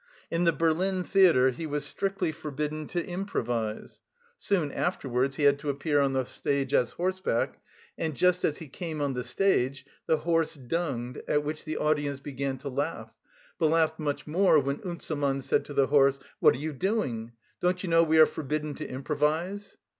In the Berlin theatre he was strictly forbidden to improvise. Soon afterwards he had to appear on the stage on horseback, and just as he came on the stage the horse dunged, at which the audience began to laugh, but laughed much more when Unzelmann said to the horse: "What are you doing? Don't you know we are forbidden to improvise?"